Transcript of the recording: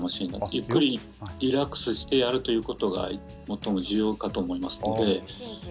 ゆっくりとリラックスしてやることが重要かと思います。